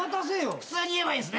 普通に言えばいいんすね。